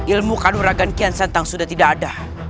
ilmu kaduragan kian santang sudah tidak ada